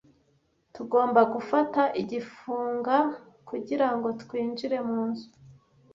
Tugomba gufata igifunga kugirango twinjire munzu.